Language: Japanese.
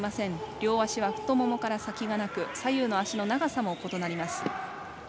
両足はふとともから先がなく左右の足の長さも、異なります。